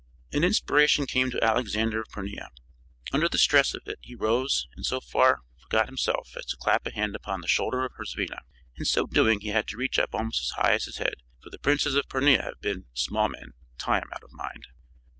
'" An inspiration came to Alexander of Pornia. Under the stress of it he rose and so far forgot himself as to clap a hand upon the shoulder of Herzvina. In so doing he had to reach up almost as high as his head, for the princes of Pornia have been small men, time out of mind.